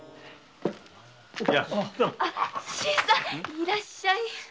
いらっしゃい。